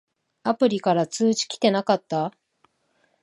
アプリから通知きてなかった？